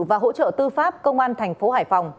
và hỗ trợ tư pháp công an thành phố hải phòng